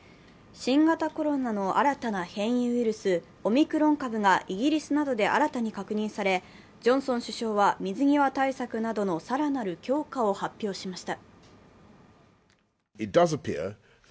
新型コロナの新たな変異ウイルス、オミクロン株がイギリスなどで新たに確認され、ジョンソン首相は水際対策などの更なる強化を発表しました。